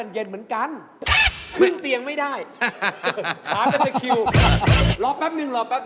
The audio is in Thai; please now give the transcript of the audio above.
เนิ่นนอคารอยู่นี่นะโอ้โห